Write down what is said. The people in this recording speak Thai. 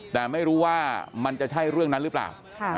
แต่ไม่รู้ว่ามันจะใช่เรื่องนั้นหรือเปล่า